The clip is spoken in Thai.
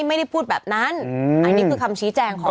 ไม่ได้พูดแบบนั้นอันนี้คือคำชี้แจงของ